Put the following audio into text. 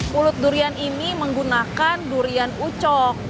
mulut durian ini menggunakan durian ucok